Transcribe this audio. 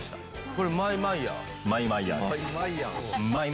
これマイマイヤー？